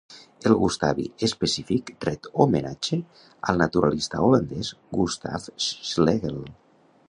El "gustavi" específic ret homenatge al naturalista holandès Gustaaf Schlegel.